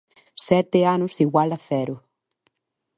Sete anos igual a cero.